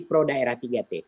pro daerah tiga t